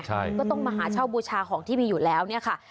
ใช่ก็ต้องมาหาเช่าบูชาของที่มีอยู่แล้วเนี่ยค่ะ